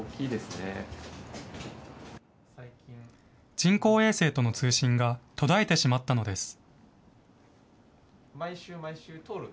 人工衛星との通信が途絶えてしまったのです。